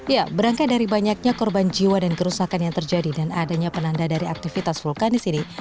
ya berangkat dari banyaknya korban jiwa dan kerusakan yang terjadi dan adanya penanda dari aktivitas vulkanis ini